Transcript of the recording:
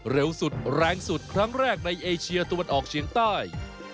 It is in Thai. เร็วสุดแรงสุดครั้งแรกในเอเชียตะวันออกเฉียงใต้